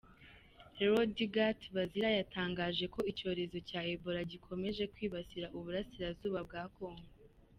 Leodegat Bazira yatangaje ko icyorezo cya Ebola gikomeje kwibasira u Burasirazuba bwa Congo.